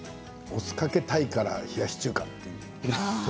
お酢、かけたいから冷やし中華という。